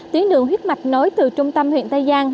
tuyến đường huyết mạch nối từ trung tâm huyện tây giang